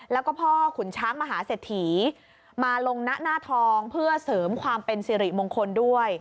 แล้วก็พ่อขุนช้างมหาเศรษฐีมาลงหน้าทองเพื่อเสริมความเป็นสิริมงคลด้วย